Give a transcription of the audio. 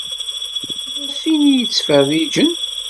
Tella tin i yettfeṛṛiǧen.